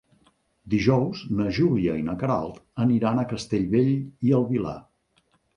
Dijous na Júlia i na Queralt aniran a Castellbell i el Vilar.